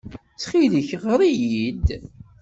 Ttxil-k, ɣer-iyi-d.